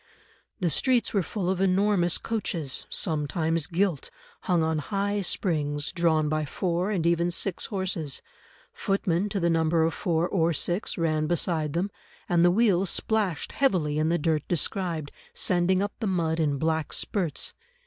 The streets were full of enormous coaches, sometimes gilt, hung on high springs, drawn by four, and even six horses; footmen, to the number of four or six, ran beside them, and the wheels splashed heavily in the dirt described, sending up the mud in black spurts.